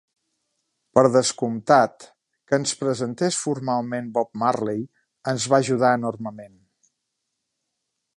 Per descomptat, que ens presentés formalment Bob Marley ens va ajudar enormement.